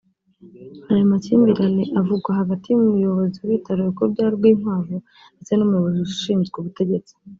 Ayo makimbirane avugwa hagati y’umuyobozi w’ibitaro bikuru bya Rwinkwavu ndetse n’umuyobozi ushinzwe ubutegetsi